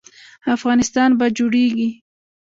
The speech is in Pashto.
افغانستان به جوړیږي؟